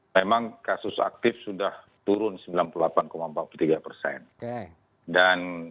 memang kasus aktif sudah turun sembilan puluh delapan empat puluh tiga persen